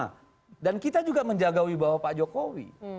nah dan kita juga menjaga wibawa pak jokowi